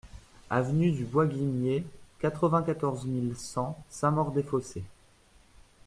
Avenue du Bois Guimier, quatre-vingt-quatorze mille cent Saint-Maur-des-Fossés